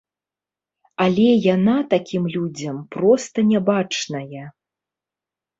Але яна такім людзям проста не бачная.